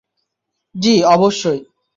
জ্বি, অবশ্যই!